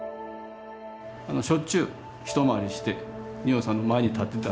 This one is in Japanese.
しょっちゅう一回りして仁王さんの前に立ってたんです。